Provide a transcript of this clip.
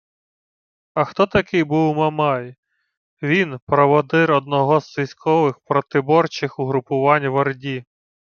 А хто такий був Мамай? Він – проводир одного з військових протиборчих угруповань в Орді